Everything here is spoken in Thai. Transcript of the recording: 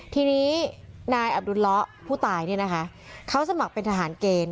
ทีนี้นายอับดุลละผู้ตายเนี่ยนะคะเขาสมัครเป็นทหารเกณฑ์